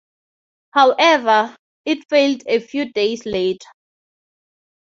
However, it failed a few days later.